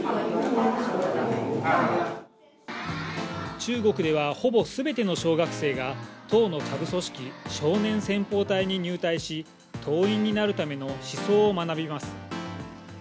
中国ではほぼすべての小学生が党の下部組織、少年先鋒隊に入隊し、党員になるための思想を学びます。